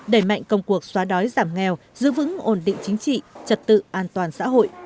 đẩy mạnh công cuộc xóa đói giảm nghèo giữ vững ổn định chính trị trật tự an toàn xã hội